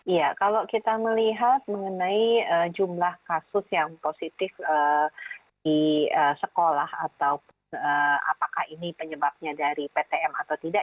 iya kalau kita melihat mengenai jumlah kasus yang positif di sekolah ataupun apakah ini penyebabnya dari ptm atau tidak